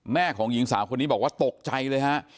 แม่ของหญิงสาวคนนี้บอกว่าตกใจเลยฮะ